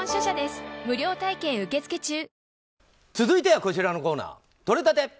続いてはこちらのコーナーとれたて！